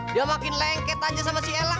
dia makin lengket aja sama si ella